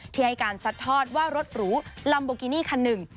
ที่ให้การซัดทอดว่ารถหรูลัมโบกินี่คันหนึ่ง